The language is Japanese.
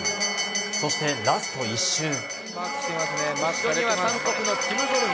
そしてラスト１周。